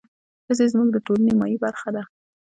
ښځې زموږ د ټولنې نيمايي برخه ده.